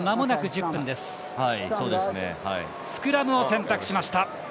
スクラムを選択しました。